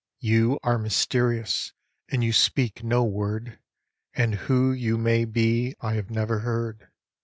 You are mysterious, and you speak no word ; And who you may be I have never heard.